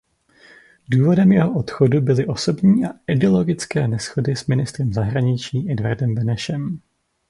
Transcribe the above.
Důvodem jeho odchodu byly osobní a ideologické neshody s ministrem zahraničí Edvardem Benešem.